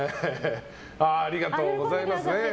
ありがとうございますね。